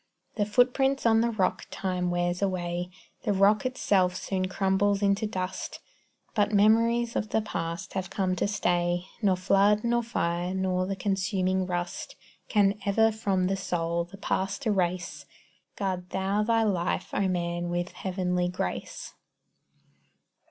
The footprints on the rock time wears away; The rock itself soon crumbles into dust; But memories of the past have come to stay, Nor flood, nor fire, nor the consuming rust, Can ever from the soul the past erase. Guard thou thy life, O man, with heavenly grace.